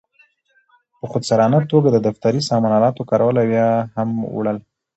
په خودسرانه توګه د دفتري سامان آلاتو کارول او یا هم وړل.